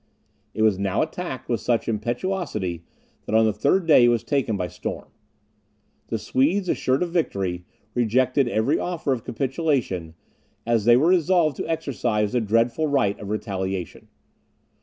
It was now attacked with such impetuosity, that on the third day it was taken by storm. The Swedes, assured of victory, rejected every offer of capitulation, as they were resolved to exercise the dreadful right of retaliation.